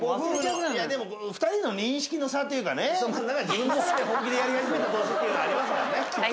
でもこの２人の認識の差というかね自分の中で本気でやり始めた年っていうのありますからね。